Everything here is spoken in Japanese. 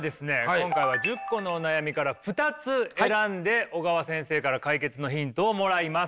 今回は１０個のお悩みから２つ選んで小川先生から解決のヒントをもらいます。